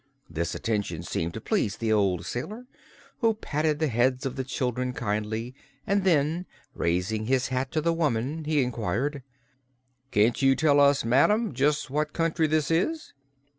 This attention seemed to please the old sailor, who patted the heads of the children kindly and then, raising his hat to the woman, he inquired: "Can you tell us, madam, just what country this is?"